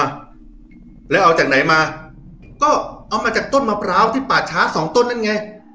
อ่ะแล้วเอาจากไหนมาก็เอามาจากต้นมะพร้าวที่ป่าช้าสองต้นนั่นไง